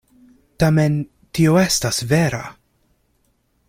Tamen tio estas vera.